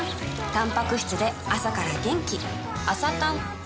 たんぱく質で朝から元気